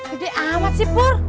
udah awet sih pur